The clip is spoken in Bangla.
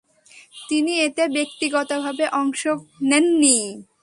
তিনি এতে ব্যক্তিগতভাবে অংশ নেননি।